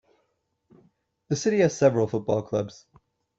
The city has several football clubs.